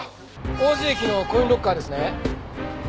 王子駅のコインロッカーですね？